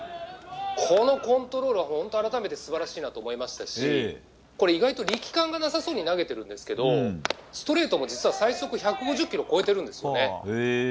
このコントロールは本当、改めて素晴らしいなと思いましたし意外と力感がなさそうに投げているんですけどストレートも実は最速１５０キロを超えているんですね。